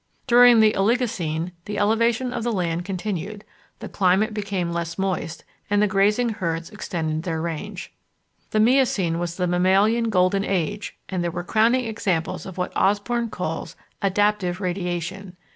During the Oligocene the elevation of the land continued, the climate became much less moist, and the grazing herds extended their range. The Miocene was the mammalian Golden Age and there were crowning examples of what Osborn calls "adaptive radiation."